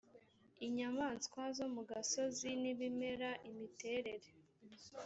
inyamaswa zo mu gasozi n ibimera imiterere